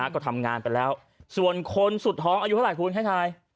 ก็ทำงานไปแล้วส่วนคนสุดท้องอายุเท่าไหร่คุณให้ใคร